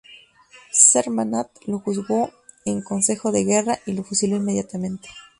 Sentmanat lo juzgó en "Consejo de Guerra" y lo fusiló inmediatamente.